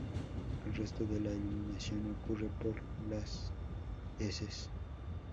El resto de la eliminación ocurre por las heces.